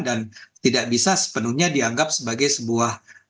dan tidak bisa sepenuhnya dianggap sebagai sebuah